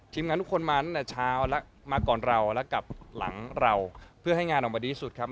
งานทุกคนมาตั้งแต่เช้าและมาก่อนเราและกลับหลังเราเพื่อให้งานออกมาดีที่สุดครับ